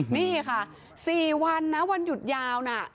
นี่ค่ะ๔วันนะวันหยุดยาวนะ